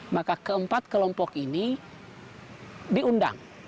maka keempat kelompok ini diundang